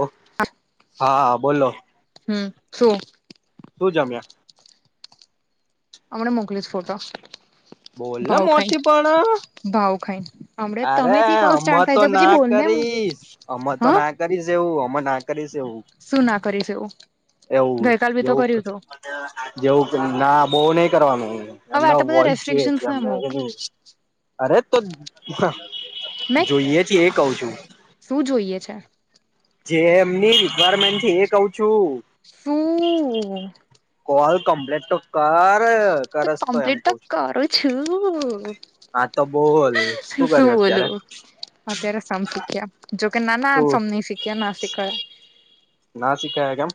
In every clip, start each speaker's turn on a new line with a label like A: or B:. A: ઓ હા બોલો,
B: હમ શું
A: શું જમ્યા?
B: હમણાં મોકલીશ ફોટો.
A: બોલ ને
B: ભાવ
A: મો
B: ખાઈ
A: થી પણ.
B: ભાવ ખાઈ હમડે
A: અરે
B: તમેથી કોલ સ્ટાર્ટ
A: આમાં
B: થાય
A: તો
B: છે પછી
A: ના
B: બોલ ને
A: કરીશ આમાં
B: હ
A: તો ના કરીશ. જેવું અમે ના કરીશ એવું
B: શું ના કરીશું.
A: એવું
B: ગઈ કાલ બી તો
A: જેવું
B: કર્યું તું.
A: જેવું કે ના બો નય કરવાનું.
B: હવે
A: એમને
B: આટલા બધા
A: વોઇસ જોઈએ છે
B: રેસ્ટ્રિક્શનસને
A: એમને
B: મો
A: એની અરે તો હન
B: મેં
A: જોઈએ છે એ કવ છું.
B: શું જોઈએ છે?
A: જે એમની રિક્વારમેન્ટ છે એ કવ છું.
B: શું?
A: કોલ કમ્પ્લેટ તો કર કરસ તો એમ
B: કમ્પ્લીટ
A: કવ છું.
B: કરું છું
A: હા, તો બોલ શું કર્યું અત્યારે?
B: અત્યારે સમ શીખ્યા જોકે નાના
A: શું
B: સમ ની શીખ્યા, ના શીખયા.
A: ના શીખયા કેમ?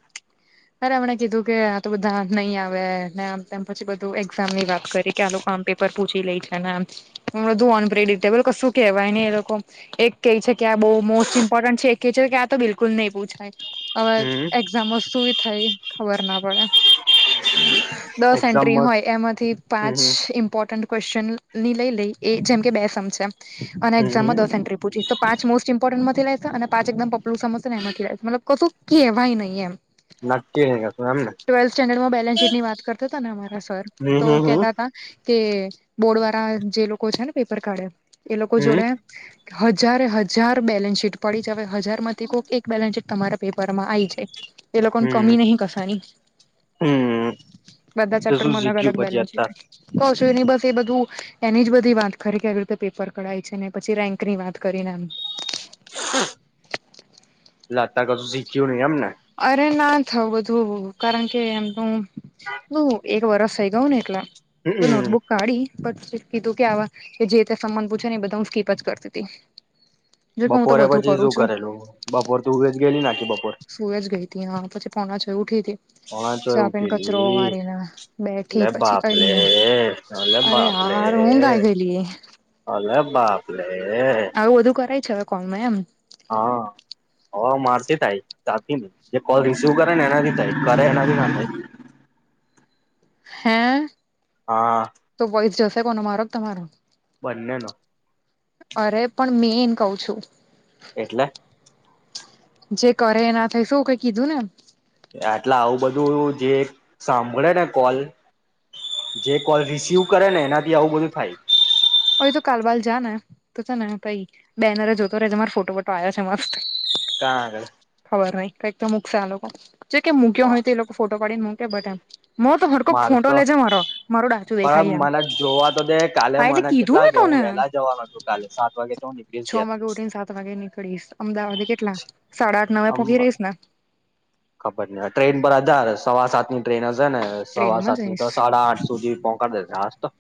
B: અરે એમણે કીધું કે, આ તો બધા નઈ આવેને એમ તેમ પછી બધું એક્ઝામની વાત કરી. કે આ લોકો આમ પેપર પૂછી લે છે ને બધું અનપ્રિડિટેબલ કશું કેવાય ની એ લોકો, એક કે છે કે આ બઉ મોસ્ટ ઇમ્પોર્ટન્ટ છે એ કે છે કે આ તો બિલકુલ નઈ પૂછાય. અવે
A: હમ
B: એક્ઝામમાં સુુઈ થાય ખબર ના પડે. દસ
A: એક્ઝામ
B: એન્ટ્રી
A: મસ્ત
B: હોય એમાંથી
A: હમ
B: પાંચ
A: હમ
B: ઇમ્પોર્ટન્ટ ક્યુએશચનની લઈ લઈ એ જેમ કે બે સમ છે અને
A: હમ હમ
B: એક્ઝામમાં દસ એન્ટ્રી પૂછી તો પાંચ મોસ્ટ મ્પોર્ટન્ટમાંથી લેશે, અને પાંચ એકદમ પપલું સમ હશે ન એમાંથી લેશે, મતલબ કશું કેવાય નઈ એમ.
A: નક્કી કશુ એમને.
B: ટ્વેલ્થ સ્ટેન્ડર્ડમાં બેલેન્સ શીટની વાત કરતા તાને અમારા સર, તો
A: હમ હમ
B: કેતા તા કે બોર્ડવાળા જે લોકો છે ને પેપર કાઢે એ લોકો જોડે હજારે હજાર બેલેન્સ શીટ પડી છે હવે હજારમાંથી કોક એક બેલેન્સ શીટ તમારા પેપરમાં આઈ છે એ
A: હમ
B: લોકોન
A: હમ હમ
B: કમી નહી કસાની.
A: હમ
B: બધા
A: તો શું
B: ચેપ્ટરમાં
A: શીખ્યું
B: અલગ-અલગ
A: પછી
B: બેલેન્સ શીટ
A: અત્યાર
B: કશું ની બસ એ બધું એની જ બધી વાત કરી કે આવી રીતે પેપર કઢાય છે ને પછી રેન્ક ની વાત કરીને એમ.
A: [inaudible] લે અતાર કશુ શીખ્યું ની એમને.
B: અરે ના થયું બધું કારણ કે એમનું નું એ વરસ થઈ ગયું ને એટલે એ
A: હમ
B: નોટબુક કાઢી બટ કીધું કે આવા કે જે તે સમ મન પૂછે ને એ બધા હું સ્કીપ જ કરતી તી.
A: બપોરે પછી શું કરેલું? બપોર તું હુયી ગયેલી આખી બપોર.
B: સુય જ ગઈ તી હન, પછી પોના છ એ ઉઠી તી.
A: પોણા છ એ ઉઠેલી,
B: બેઠી
A: લે
B: પછી કઈ
A: બાપલે.
B: નઈ
A: અલે
B: અરે
A: બાપલે,
B: યાર ઊંઘ આવી ગયેલી
A: અલે બાપલે.
B: આવું બધું કરાય છે, હવે કોલમાં એમ.
A: હા. હન, મારથી થાય તારથી ની, જે કોલ રિસીવ કરે ને એનાથી થાય, કરે એનાથી ના થાય.
B: હે?
A: હા.
B: તો વોઈસ જશે કોનો? મારો કે તમારો?
A: બંનેનો.
B: અરે પણ મેન કઉ છું.
A: એટલે?
B: જે કરે એના થઈ શું કઈ કીધું ને?
A: એટલા આવું બધું જે સાંભળેને કોલ જે કોલ રિસીવ કરે ને એનાથી આવું બધું થાય.
B: ઓય તું કાલબાલ જા ને તો છે ને તઈ બેનરે જોતો રે જે માર ફોટો-બોટો આયો છે મસ્ત.
A: સારુ.
B: ખબર નઈ કઈક તો મૂકશે આ લોકો, જો કે મૂક્યો
A: વાહ
B: હોય તો એ લોકો ફોટો પાડીન મૂકે બટ એમ મ તોર કો
A: માર
B: ફોટો
A: તો
B: લેજ મારો મારું ડાચું
A: પણ
B: દેખાાઈ એમ કીધું મેં
A: લાગે હું
B: તને
A: વહેલા જવાનો છું કાલે સાત વાગે તો નીકળીશ
B: છ વાગે
A: ઘેરથી
B: ઉઠી ને સાત વાગે નીકળીશ અમદાવાદે કેટલા સાડા આઠ નવે
A: આમ
B: પોહખી રહીશ ને.
A: ખબર ન ટ્રેન પર અધાર સવા સાત ની ટ્રેન હશે ને સવા
B: ટ્રેનમાં
A: સાત ની તો
B: જઈશ
A: સાડા આઠ સુધી. દે હાસ્તો તો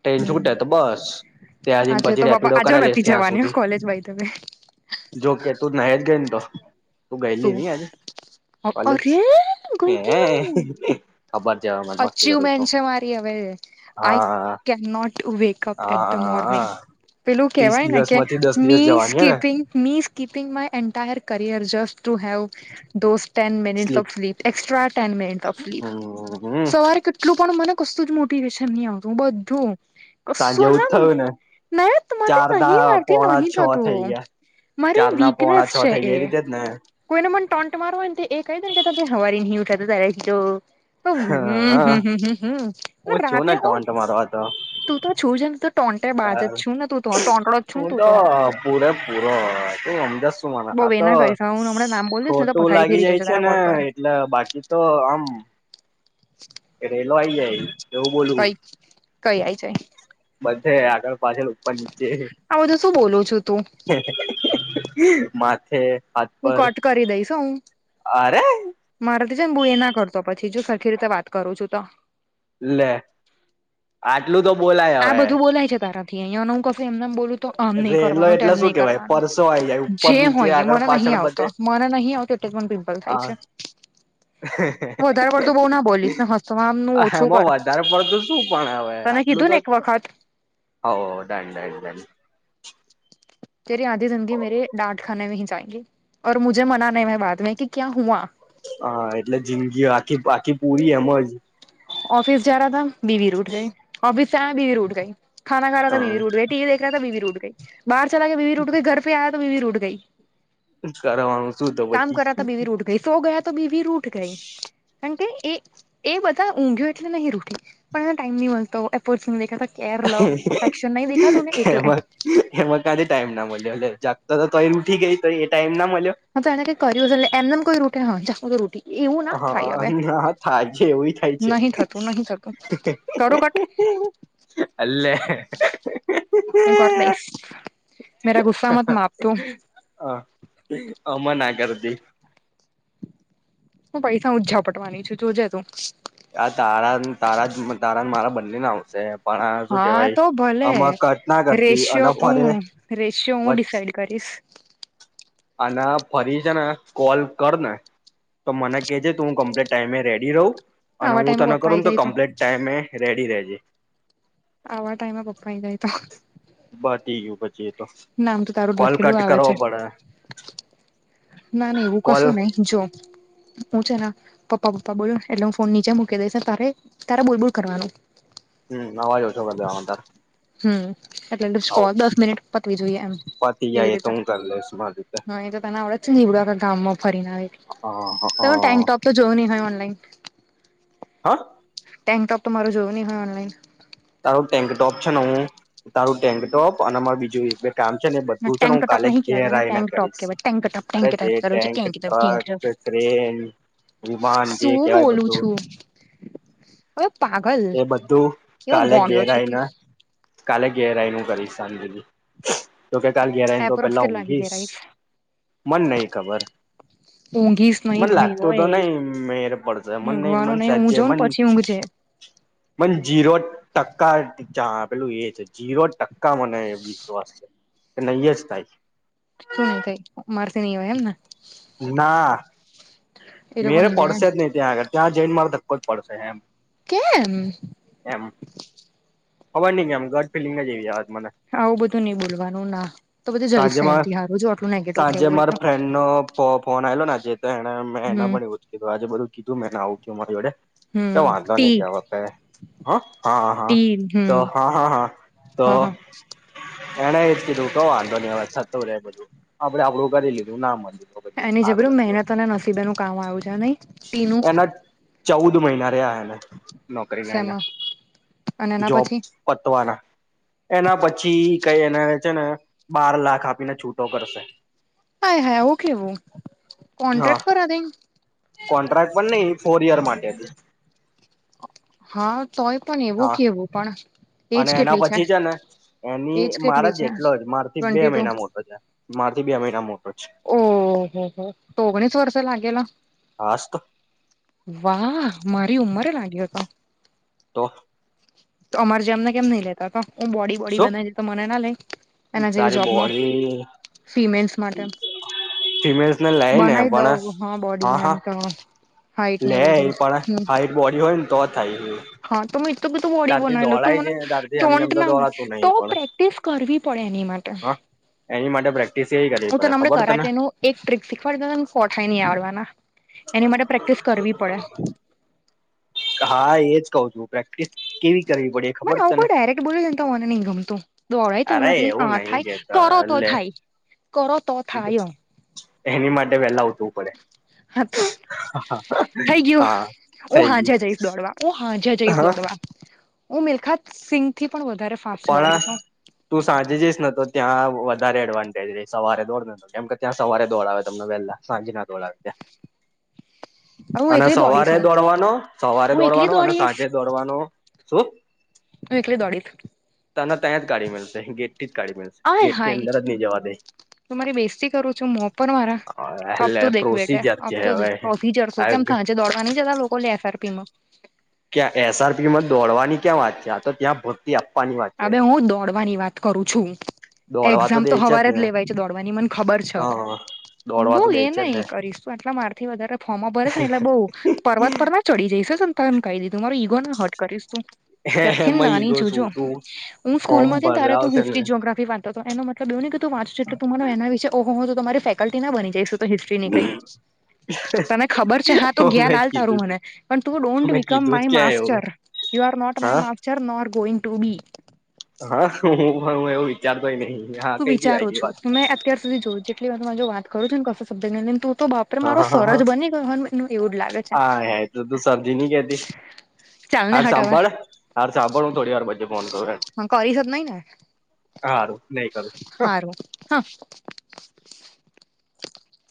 A: ટ્રેન
B: હમ
A: છૂટે તો બસ ત્યાં જને
B: આજે
A: પછી
B: તો બાપા
A: રેપિડો
B: આજે
A: કરાવી લઈશ
B: નથી
A: ત્યાં
B: જવાની
A: સુધી.
B: કોલેજ બાય ધ વે
A: જોકે તું ન જ ગઈ ને તો તું ગયેલી
B: શું
A: નહી આજ
B: અરે
A: કોલેજ હે
B: ગઈતી
A: ખબર છે હવે મને મસ્તી કરું
B: અચીવમેન્ટ
A: છું
B: છે મારી હવે આઈ
A: હા
B: કેન નોટ ટુ વેકઅપ
A: હા
B: એટ ધ મોર્નિંગ.
A: હા
B: પેલું
A: ત્રીસ
B: કહેવાય ને
A: દિવસ
B: કે
A: માંથી દસ દિવસ
B: મી
A: જવાની હે ને
B: skipping me keeping my entire career just to have those ten minutes of sleep extra time meant of leave
A: hmm hmm
B: પણ મને કસું જ મોટિવેશન નહી આવતું બધું.
A: સાંજે એવું જ
B: સોનમ
A: થયું ને
B: નારે
A: ચાર
B: નહી
A: ના
B: વારથી
A: પોણા
B: નહહી
A: છ થઈ
B: થતું.
A: ગયા
B: મારી
A: ચાર ના પોણા
B: વીકનેસ
A: છ
B: છે
A: થઈ
B: એ.
A: ગયા રીતે જ ને
B: કોઈને મન ટોન્ટ માર હોય ને તો એ કઈ કે હવારી નહીં ઉઠાતું તારા થી તો હમ
A: હા
B: હમ હમ
A: હ ઓ
B: હમ
A: છું ને
B: રાતે ઓ
A: ટોન્ટ મારવા તો.
B: તું તો છું જ ને તું ટોન્ટે બાજ જ છું ને તું તો ટોંટડો જ છું ને
A: હું
B: તું
A: તો પૂરૅ પૂરો તું સમજે છે શું મને
B: બઉ
A: આ
B: એ
A: તો
B: ના કરીશ હવે હું હમણાં નામ બોલીશ ને તો
A: ખોટું
B: પથારી
A: લાગી
B: ફેરી જશે
A: જાય છે
B: તારા
A: ને
B: કોલ પર
A: એટલે બાકી તો આમ રેલો આઈ જાય એવું બોલું
B: કઈ કઈ આઈ જાય
A: બધે આગળ પાછળ ઉપર નીચે
B: આ બધું શું બોલું છું તું
A: માથે હ
B: હું કટ કરી દઈશ હું.
A: અરે
B: મારેથી છે ને બઉ એના કરતો પછી જો સરખી રીતે વાત કરું છું તો.
A: લે આટલું તો બોલાય
B: આ
A: હવે.
B: બધું બોલાય છે તારા. અહીંયા હ ક એમને એમ બોલું. તો આમ નહી
A: રેલો
B: કરવાનું તેમ
A: એટલે શું
B: નહી
A: કેવાય
B: કરવાનું
A: પરસો આઈ જાય ઉપર
B: જે
A: નીચે
B: હોય એ
A: આગળ
B: મને નહી
A: પાછળ
B: આવતો
A: બધે
B: મને નહીં આવતો. એ પણ પિમ્પલ થાય છે.
A: હા
B: વધારે પડતું બહુ ના બોલીશ હસમ ન ઓછું
A: એમાં
B: કર
A: વધારે પડતું શું પણ હવે
B: તને
A: આટલું
B: કીઘુ
A: તો
B: ને એક વખત.
A: હો ડન ડન ડન.
B: તેરી આધી જિંદગી મેરે ડાટ ખાને મે જાયંગી. ઓર મુજે મના નહીં મેં બાદ મે કે ક્યાં હુઆ.
A: હા એટલે જિંદગી આખી આખી પૂરી એમજ.
B: ઓફિસ જા રહા હતા બીવી રુઠ ગઈ ઓફિસ સે આયા બીવી રુઠ ગઈ ખાના ખા રહા
A: હ
B: તો બીવી રુઠ ગઈ. ટીવી દેખ રહા થા બીવી રુઠ ગઈ બહાર ચલા ગયાં બીવી રુઠ ગઈ ઘર પે આયા તો બીવી રુઠ ગઈ.
A: કરવાનું શું તો પછી.
B: રૂટ સો ગયા તો બીવી રૂઠ ગઈ કારણ કે એ એ બધા. ઊંઘયો એટલે નહી રૂટી પણ એને ટાઈમ નહી મળતો એપ ચોર નુ. કેર લવ અફેક્શન નહી દેખા તું ને એટલે.
A: એમાં એમાં કાથી ટાઈમ ના મળ્યો જાગત તોય ઉઠી ગઈ તોય એ ટાઈમ ના મળ્યો.
B: હા તો એને કેઈ કર એમ કોઈ રુટી હ ચું કોઈ રુટી. એવું ના થાય
A: હા
B: હવે
A: ના થાય છે એવું થાય છે
B: નહી થતું નહી થતું. કરું કટ.
A: અલેે.
B: હું કરી દઈશ. મેરા ગુસ્સા મત માપ તું
A: હા આમા ના કરદી
B: હું પૈસાઓજ જાપટવાની છું, જોજે તું.
A: આ તારા ન તારા જ તારા ને મારા બંનેના વચ્ચે એમ.
B: હા તો ભલે
A: ના કરતી
B: રેશિયો
A: અને ફરે
B: હું રેશિયો હું
A: વચ
B: ડીસાઇડ કરીશ.
A: અને ફરી છે ને કોલ કર ને તો મને કેજે તું હું કમ્પ્લીટ ટાઈમે રેડી રહું અને
B: આવા
A: હું
B: ટાઈમે
A: તને
B: પપ્પા આઈ
A: કરુંને તો
B: જાય
A: કમ્પ્લીટ ટાઈમે રેડી રહેેજે.
B: આવા ટાઈમેં પપ્પાની આય તો
A: બતી ગયું પછીએ તો
B: નામ તો તારું જ
A: કોલ
B: લખેલું
A: કટ
B: આવે
A: કરવો
B: છે.
A: પડે
B: ના ના એવું
A: કોલ
B: કશું નહી જો હું છે ને પપ્પા પપ્પા બોલુન, એટલે હું ફોન નીચે મૂકી દઈશ, ને તારે તારે બોલ બોલ કરવાનું
A: હમ અવાજ ઓછો કર દેવાનો તારે.
B: હમ એટલે ડિસ્કો દસ મિનિટ પતવી જોઈએ એમ
A: પતી
B: એવી
A: જાય એ તો હું કરી લઈશ મારી રીતે
B: રીતેના હા એ તો તને આવડે નીવડું આ ગામમાં ફરીને આવે
A: હ
B: તો ટાઈમ ટોપ તો જોયું નહી હોય ઓનલાઈન
A: હ
B: ટેન્ક ટોપ તો મારો જોયો નહી હય ઓનલાઇન.
A: તારું ટેન્કટોપ છે ને હું, તારું ટેન્કટોપ અને મારે બીજુંયે બે કામ છેને, બધું છેને,
B: ટેન્ક
A: હું
B: ટોપ
A: કાલે
B: નહીં
A: ઘેર
B: કહેવાતા ને
A: આઇને
B: ટેન્ક ટોપ
A: કરીશ,
B: કહેવાય ટેન્ક ટોપ
A: અરે
B: ટેન્ક
A: જે
B: ટોપ કરું છે
A: tank,
B: top tank
A: truck.
B: Top
A: train વિમાન જે
B: શું
A: કહેવાય બધું,
B: હ પાગલ.
A: એ બધું,
B: કેવો
A: કાલે
B: ગોંડ્યો
A: ઘેરા
B: છે
A: આય ન
B: તું
A: કાલે ઘેર આય્ન હું કરીશ શાંતિથી તો કે કાલ ઘેરા ને તો
B: એપ્રોક્સ
A: પહેલા
B: કેટલા વાગે
A: ઉંઘીસ
B: ઘેર આવીશ
A: મન નહી ખબર,
B: ઊંઘીશ નહી
A: મને
B: ભાઈ
A: લાગતું તો
B: ઓય
A: ન‌ઈ મેર પડશે. મને ન‌ઈ મન
B: ઊંઘવાનું નહી હું
A: સેજ્જય
B: જઉં ને
A: મન
B: પછી [inaudible]
A: મને જીરો ટકા પેલું એ છે જીરો ટકા મને વિશ્વાસ છે. કે નહીએ જ થાઈ
B: શું નહિ થાય, મારેથી નહિ આવાય એમને.
A: મેળ પડશે જ નહી ત્યાં આગળ. ત્યાં જઇન માર ધક્કો જ પડશે એમ
B: કે.. મ?
A: એમ ખબર ની કે એમ ગટ ફિલિંગ જ એવી આવેછ મને
B: આવું બધું નઈ બોલવાનું ના. તો બધું
A: સાંજે
B: જલશે
A: માર
B: એથી હારું જો આટલું નેગેટિવ
A: સાંજે
B: કેવું હોય
A: મારા
B: તો
A: ફ્રેન્ડ નો ફોન આયલો ને આજે તો એને મેં એના
B: હમ
A: પણ એવુજ કીધું આજે બધું કીધું મે એને આવું કયું અમારી જોડે કે
B: હમ
A: વાંધો નહી
B: ટી
A: [unintelligible] હં હા હા
B: ટી
A: તો
B: હમ
A: હા હા હા તો
B: હા હા
A: એણે એજ કીધું ક વાંધો નહી હવે, થતું રે બધું આપડે આપડું કરી લીધું ના મળું.
B: એની જબરૂ મહેનત અને નસીબ એનું કામ આવ્યું છે નહી. ટીનું
A: એના ચૌદ મહિના રહ્યા એના, નોકરી ના એના
B: શેમાં અને એના
A: જોબ
B: પછી
A: પતવાના. એના પછી કઈ એને છે ને બાર લાખ આપીને છૂટો કરશે.
B: હાય હાય આવું કેવું,
A: હા
B: કોન્ટ્રાક્ટ કરા દે.
A: કોન્ટ્રાક્ટ પર ન‌ઈ ફોર યર માટે હતી.
B: હા, તોય પણ એવું
A: હા
B: કેવું પણ એજ
A: અને એના
B: કેટલી
A: પછી છે ને એની
B: એજ કેટલી
A: મારા જ
B: છે
A: જેટલો જ માર થી બે
B: ટ્વેન્ટી ટુ
A: મહિના મોટો, [inaudible] મારથી બી અ મહિના મોટો છે.
B: ઓહોહો, તો ઓગણીસ વર્ષે લાગેલા?
A: હાસ તો.
B: વાહ મારી ઉમરે લાગ્યો હતો.
A: તો.
B: તો અમારે જેમને કેમ નઈ લેતા તો હું બોડી બોડી
A: શું
B: બનાવી દ તો મને ના લઈ. એના જેવી
A: તારી
B: જોબમાં
A: બોડી
B: ફિમેલ. માટે
A: ફિમેલ્સ ને લઈ ને
B: બનાવી
A: પણ
B: દઉ હા બોડી એમ તો. હાઈટ ને
A: લે
B: બધું
A: પણ
B: હમ.
A: હાઈટ બોડી હોય ને તો થાય.
B: હા તો મે. તો બધું વોડી
A: તારથી
B: બનાવી લો તો
A: દોડાય છે
B: મને
A: તારથી એમને
B: ટોન્ટ
A: એમ તો
B: ના હોય
A: દોડાતું
B: તો
A: નહી પણ
B: પ્રેક્ટિસ કરવી પડે એની માટે
A: હા એની માટે પ્રેક્ટિસ એ કરવી
B: હું તને
A: પડે
B: હમણાં
A: ખબર તને
B: કરાટેનું એક ટ્રિક શીખવાડ દને ફોઠાય નહી આવડવાના એની માટે પ્રેક્ટિસ કરવી પડે.
A: હા એજ કઉ છું. પ્રેક્ટિસ કેવી કરવી પડે એ ખબર
B: મને આવું
A: તને
B: કોઈ ડાયરેક્ટ બોલી દે મને નહી ગમતું દોડાય તો
A: અરે
B: નથી હ
A: એવું નહી
B: થાય.
A: કેતા
B: કરો તો
A: એટલે
B: થાય કરો તો થાય હ.
A: એની માટે વેલા ઉઠવું પડે.
B: થઈ ગયું
A: હા
B: હું
A: થઈ ગયું
B: હાજે જઈશ. દોડવા હું હાજે જઈશ
A: હા
B: દોડવા હું મિલખાત સિહ થી પણ વધારે ફાસ્ટ
A: પણળ
B: દોડીશ
A: તું સાંજે જઈશ નને તો ત્યાં વધારે એડવાન્ટેજ રહી સવારે દોડને કેમ કે ત્યાં સવારે દોડાવ તમને વેલા. સાંજના દોળ્યા ત્યાં.
B: હું
A: અને
B: એકલી દોડીશ
A: સવારે
B: હું
A: દોડવાનો સવારે
B: હું એકલી
A: દોડવાનો અને
B: દોડીશ
A: સાંજે. દોડવાનો શું.
B: હું એકલી દોડી.
A: તને ત્યાં જ કાઢી મે મળશે ગેટ થી જ કાઢી મળશે ગેટ ની અંદર જ નહી જવા દે.
B: તો મારી બેજતી કરું છું મો પર મારા આપ
A: એટલે
B: તુ દેખ બેઠા
A: પ્રોસીજર
B: આપ
A: છે
B: તુ
A: હવે
B: દેખ પ્રોસીજર છું કેમ સાજ. દોડવા નઇ જતા લોકો એ ફઆરપીમાં.
A: ક્યા એસઆરપી માં દોડવાની ક્યાં વાત છે આ તો ત્યાં આપવાની વાત છે
B: હ હું દોડવાની વાત કરું છું.
A: દોડવા
B: એક્ઝામ
A: દે
B: તો
A: છે
B: હવારે
A: ને
B: જ લેવાય છે દોડવાની મને ખબર છે હવે.
A: હા દોડવા
B: બઉ
A: તો દે
B: એ ન
A: છે જ ને
B: એ કરીશું આટલા મારથી વધારે ફોર્મમાં ભરે ને એટલે બઉ પર્વત પર ના ચડી જઈશ સંતાનને કહી દીધું મારું ઈગો ના હટ કરીશ તું ત્યારથી ને
A: એમાં
B: નાની
A: ઈગો
B: છું
A: શું
B: જો.
A: તું
B: હું
A: ફોર્મ
B: સ્કૂલમાંને તારા તું
A: ભરાવશે ને
B: હિસ્ટ્રી જ્યોગ્રફી વા તો એનો મતલબવુંને કે તું માર્ચટલે ત તમારોના વિશે ઓ હો હું તો તમારી ફેકલ્ટી ના બની જઈશું. તો હિસ્ટ્રી ની કઈ. તને ખબર છે હા તો જ્ઞાન
A: મેં
B: આાલ તારું
A: કીધું
B: મને
A: તું
B: પણ તું
A: તો
B: ડોન્ટ
A: મેં
B: બિકમ
A: કીધું જ
B: માય
A: ક્યાં એવું
B: master. You are not my
A: હા
B: master no art going to be.
A: હા હું પણ હ એવું વિચારતોય નહી. હા
B: તું
A: કઈ થી
B: વિચારો
A: આવી ગઈ
B: છું
A: વાત
B: તું મે અત્ય સુધીઉ જેટલી વાર તું જો વાત કરું છ ને કશો શબ્દક નીંદર તું તો બાપ
A: હા હા
B: લાગે છે
A: તો તું સમજી નહી કેતી.
B: ચાલ ને
A: હાર
B: હટ
A: સાંભળ હાર સાંભળ હું થોડી વાર પછી ફોન કરું.
B: હવે કરી શક નઈ ને
A: હારું નહી કરું.
B: હારું હા